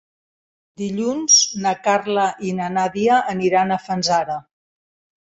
Dilluns na Carla i na Nàdia aniran a Fanzara.